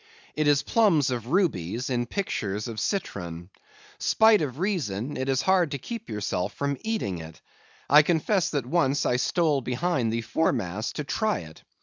It is plums of rubies, in pictures of citron. Spite of reason, it is hard to keep yourself from eating it. I confess, that once I stole behind the foremast to try it.